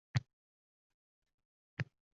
Men ham beixtiyor ergashdim.